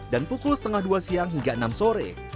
dan pukul setengah dua siang hingga enam sore